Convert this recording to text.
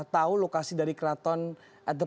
tahu lokasi dari kraton at the